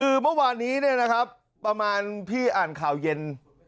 คือเมื่อวานนี้เนี่ยนะครับประมาณพี่อ่านข่าวเย็น